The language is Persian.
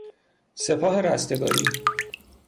سپاه رستگاری